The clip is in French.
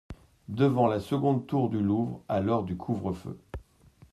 Devant la seconde tour du Louvre… à l’heure du couvre-feu.